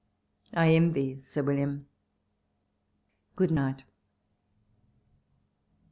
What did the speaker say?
I envy Sir William. Good night